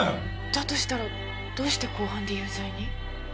だとしたらどうして公判で有罪に？